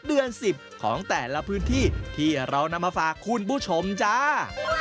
เดือน๑๐ของแต่ละพื้นที่ที่เรานำมาฝากคุณผู้ชมจ้า